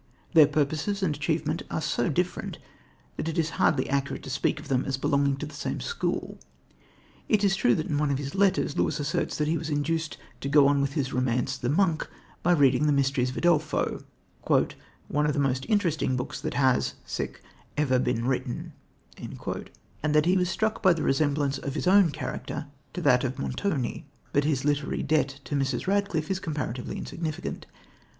Their purposes and achievement are so different that it is hardly accurate to speak of them as belonging to the same school. It is true that in one of his letters Lewis asserts that he was induced to go on with his romance, The Monk, by reading The Mysteries of Udolpho, "one of the most interesting books that has ever been written," and that he was struck by the resemblance of his own character to that of Montoni; but his literary debt to Mrs. Radcliffe is comparatively insignificant.